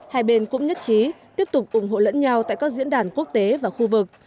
hai bên cũng nhất trí tiếp tục ủng hộ lẫn nhau tại các diễn đàn quốc tế và khu vực